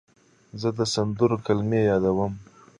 زه د سندرو کلمې یادوم.